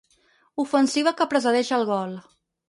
Ofensiva que precedeix el gol.